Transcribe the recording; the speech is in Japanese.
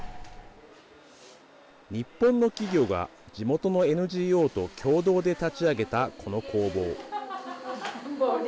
日本の企業が地元のＮＧＯと共同で立ち上げた、この工房。